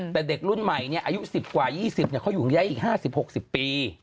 แต่เด็กรุ่นใหม่อายุ๑๐กว่า๒๐เขาอยู่ย้ายอีก๕๐๖๐ปี